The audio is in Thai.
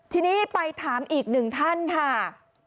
ที่นี่ไปถามอีก๑ท่านครับ